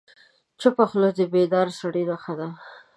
چپه خوله، د بیدار سړي نښه ده.